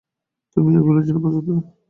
তুমিও গুলোর জন্য প্রস্তুত না।